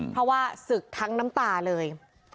เพราะว่าศึกทั้งน้ำตาเลย